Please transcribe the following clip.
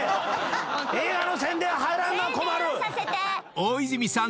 ［大泉さん